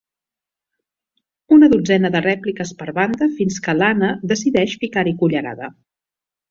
Una dotzena de rèpliques per banda fins que l'Anna decideix ficar-hi cullerada.